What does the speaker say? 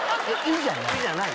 「い」じゃない。